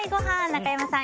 中山さん